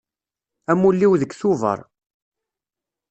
Amulli-iw deg Tuber.